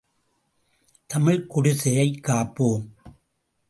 தமிழ்க் குடியைக் காப்போம்!